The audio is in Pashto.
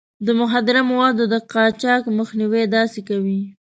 د مخدره موادو د قاچاق مخنيوی داسې کوي.